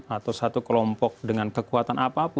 atau satu kelompok dengan kekuatan apapun